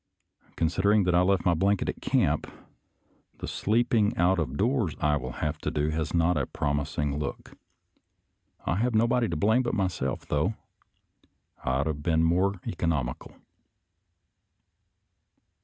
Consid ering that I left my blanket at camp, the sleep ing out of doors I will have to do has not a prom ising look. I have nobody to blame but myself, though — I ought to have been more economical.